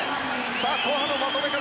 後半のまとめ方。